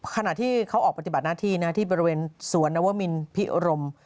ขณะที่เขาออกปฏิบัติหน้าที่นะที่บริเวณสวนนวมินพิรม